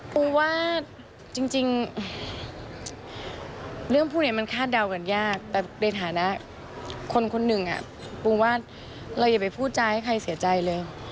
ปูว่าจริงเรื่องพวกนี้มันคาดเดากันยากแต่ในฐานะคนคนหนึ่งปูว่าเราอย่าไปพูดจาให้ใครเสียใจเลย